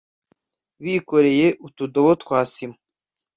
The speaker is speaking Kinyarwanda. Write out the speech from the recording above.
bikoreye utudobo twa sima